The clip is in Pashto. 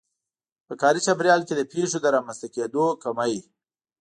په کاري چاپېريال کې د پېښو د رامنځته کېدو کمی.